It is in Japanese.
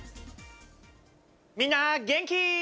みんな、元気？